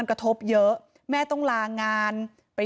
เหตุการณ์เกิดขึ้นแถวคลองแปดลำลูกกา